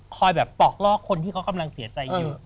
แบบปอกลอกคนที่เขากำลังเสียใจอยู่